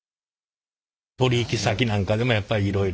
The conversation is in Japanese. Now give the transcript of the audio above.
取引先なんかでもやっぱいろいろ？